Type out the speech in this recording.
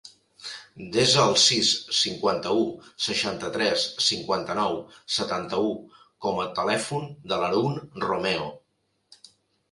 Desa el sis, cinquanta-u, seixanta-tres, cinquanta-nou, setanta-u com a telèfon de l'Haroun Romeo.